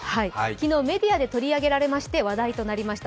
昨日、メディアで取り上げられまして話題となりました。